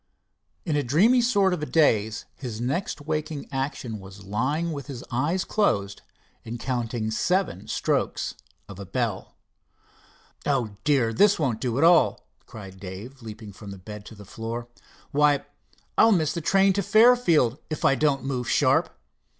In a dreamy sort of a daze, his next waking action was lying with his eyes closed and counting seven strokes of a bell. "Oh, dear, this won't do at all," cried Dave, leaping from the bed to the floor. "Why, I'll miss the train to Fairfield if I don't move sharp.